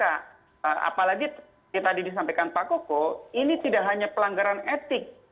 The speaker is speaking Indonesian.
apalagi yang tadi disampaikan pak koko ini tidak hanya pelanggaran etik